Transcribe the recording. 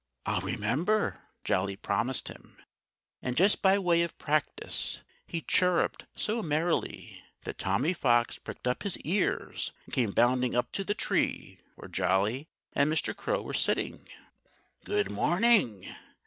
"I'll remember," Jolly promised him. And just by way of practice he chirruped so merrily that Tommy Fox pricked up his ears and came bounding up to the tree where Jolly and Mr. Crow were sitting. "Good morning!"